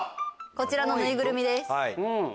こちらのぬいぐるみです。